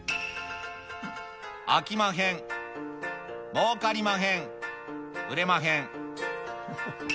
あきまへんもうかりまへん売れまへん。